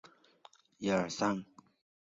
维登大街的一部分。